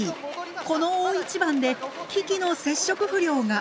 この大一番で機器の接触不良が。